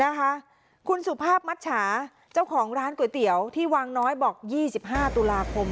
นะคะคุณสุภาพมัชชาเจ้าของร้านก๋วยเตี๋ยวที่วังน้อยบอก๒๕ตุลาคม